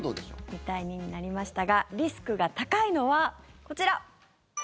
２対２になりましたがリスクが高いのはこちら。